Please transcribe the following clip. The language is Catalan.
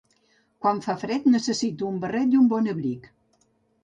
Quan fa fred necessito un barret i un bon abric.